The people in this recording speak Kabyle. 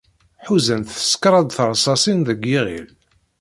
Ḥuzan-t s kraḍ teṛṣaṣin deg yiɣil.